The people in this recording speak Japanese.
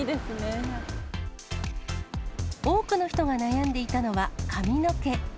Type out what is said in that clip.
多くの人が悩んでいたのは、髪の毛。